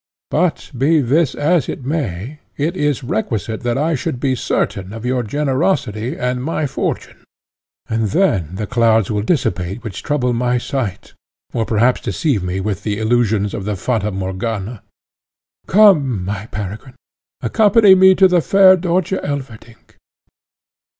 But be this as it may, it is requisite that I should be certain of your generosity and my fortune, and then the clouds will dissipate which trouble my sight, or perhaps deceive me with the illusions of the Fata Morgana. Come, my Peregrine, accompany me to the fair Dörtje Elverdink."